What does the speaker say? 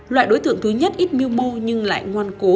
loại đối tượng thứ nhất ít mưu nhưng lại ngoan cố